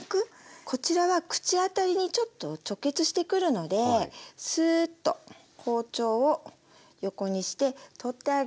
こちらは口当たりにちょっと直結してくるのでスーッと包丁を横にして取ってあげて下さい。